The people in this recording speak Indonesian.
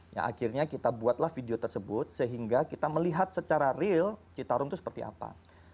ya akhirnya kita buatlah video tersebut sehingga kita melihat secara real citarum itu seperti apa